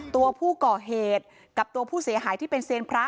ตัวผู้ก่อเหตุกับตัวผู้เสียหายที่เป็นเซียนพระ